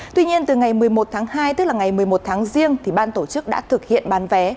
tuy nhiên từ ngày một mươi một tháng hai tức là ngày một mươi một tháng riêng ban tổ chức đã thực hiện bán vé